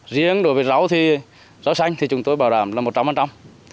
riêng đối với rau thì rau xanh thì chúng tôi bảo đảm là một trăm phần trăm